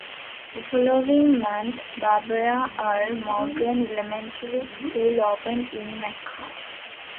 The following month Barbara R. Morgan Elementary School opened in McCall.